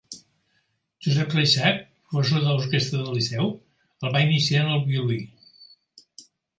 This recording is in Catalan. Josep Reixac, professor de l'orquestra del Liceu, el va iniciar en el violí.